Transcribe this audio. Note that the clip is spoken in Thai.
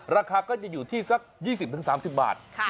ราคาก็จะอยู่ที่สัก๒๐๓๐บาท